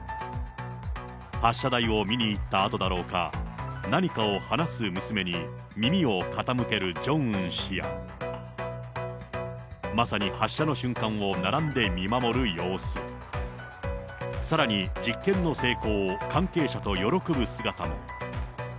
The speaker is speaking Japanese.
発射台を見に行ったあとだろうか、何かを話す娘に耳を傾けるジョンウン氏や、まさに発射の瞬間を並んで見守る様子、さらに実験の成功を関係者と喜ぶ姿も。